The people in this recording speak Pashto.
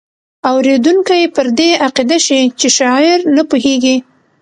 اوریدونکی پر دې عقیده شي چې شاعر نه پوهیږي.